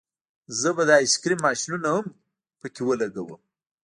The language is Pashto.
زه به د آیس کریم ماشینونه هم پکې ولګوم